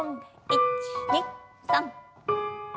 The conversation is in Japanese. １２３。